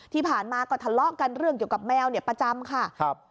ที่ผ่านมาก็ทะเลาะกันเรื่องเกี่ยวกับแมวเนี่ยประจำค่ะครับ